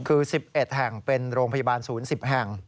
คือ๑๑แห่งเป็นโรงพยาบาลศูนย์๑๐แห่ง